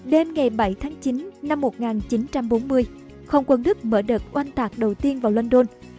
đêm ngày bảy tháng chín năm một nghìn chín trăm bốn mươi không quân đức mở đợt oanh tạc đầu tiên vào london